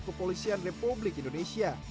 kepolisian republik indonesia